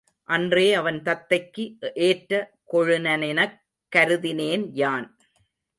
அன்றே அவன் தத்தைக்கு ஏற்ற கொழுநனெனக் கருதினேன் யான்.